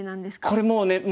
これもうね。